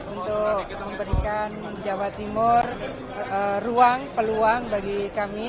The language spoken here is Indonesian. untuk memberikan jawa timur ruang peluang bagi kami